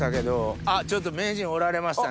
あっちょっと名人おられましたね。